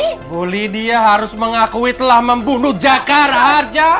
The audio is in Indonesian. ibu lydia harus mengakui telah membunuh jakar harja